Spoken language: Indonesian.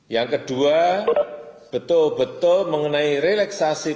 yang kedua betul betul mengenai relaksasi proses perizinan